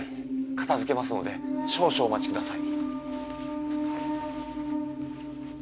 片づけますので少々お待ちください。